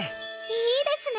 いいですね！